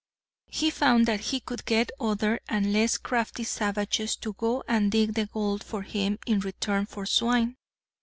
He found that he could get other and less crafty savages to go and dig the gold for him in return for swine.